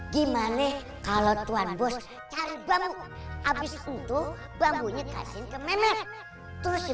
gimane kalau tuan bos cari bambu habis untuk bambunya kasih ke memer terus si